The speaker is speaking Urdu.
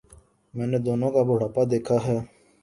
میں نے دونوں کا بڑھاپا دیکھا ہے۔